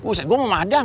usah gue mau madang